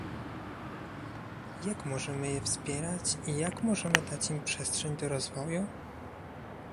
Jak możemy je wspierać i jak możemy dać im przestrzeń do rozwoju?